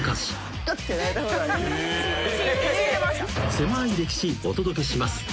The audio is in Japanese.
［せまい歴史お届けします］